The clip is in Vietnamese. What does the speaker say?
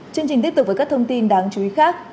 chương trình tiếp tục với các thông tin đáng chú ý khác